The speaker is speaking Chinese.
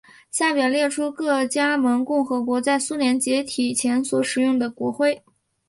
下表列出各加盟共和国在苏联解体前所使用的国徽。